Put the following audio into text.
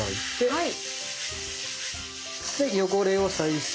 はい。